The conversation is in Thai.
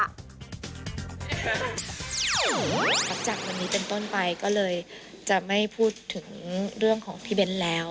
หลังจากวันนี้เป็นต้นไปก็เลยจะไม่พูดถึงเรื่องของพี่เบ้นแล้ว